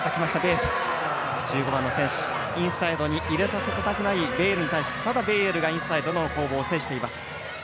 インサイドに入れさせたくないベイエルに対してただ、ベイエルがインサイドのボール、制しています。